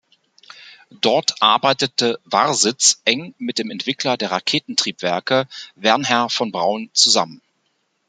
Dort arbeitete Warsitz eng mit dem Entwickler der Raketentriebwerke, Wernher von Braun, zusammen.